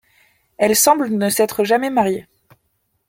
Elle semble ne s’être jamais mariée.